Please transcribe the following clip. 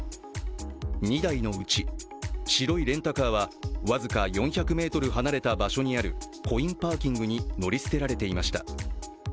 ２台のうち白いレンタカーは僅か４００ｍ離れた場所にあるコインパーキングに乗り捨てられていました。